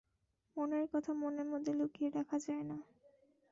মনের কথা মনের মধ্যে লুকিয়ে রাখা যায় না।